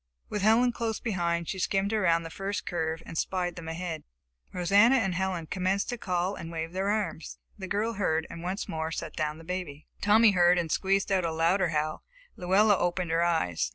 With Helen close behind, she skimmed around the first curve and spied them ahead. Rosanna and Helen commenced to call and wave their arms. The girl heard and once more set down the baby. Tommy heard and squeezed out a louder howl. Luella opened her eyes.